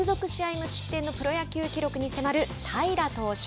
無失点のプロ野球記録に迫る平良投手。